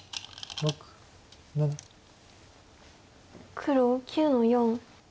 黒９の四。